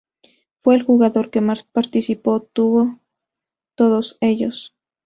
Fue el jugador que más participación tuvo de todos ellos.